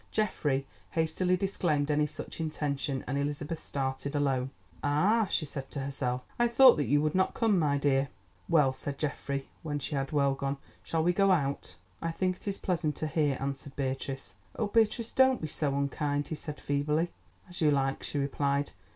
Geoffrey hastily disclaimed any such intention, and Elizabeth started alone. "Ah!" she said to herself, "I thought that you would not come, my dear." "Well," said Geoffrey, when she had well gone, "shall we go out?" "I think it is pleasanter here," answered Beatrice. "Oh, Beatrice, don't be so unkind," he said feebly. "As you like," she replied.